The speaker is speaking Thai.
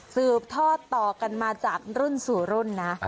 สืบทอดต่อกันมาจากรุ่นสู่รุ่นนะ